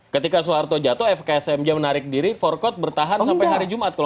ketika soeharto jatuh fksmj menarik diri forkot bertahan sampai hari jumat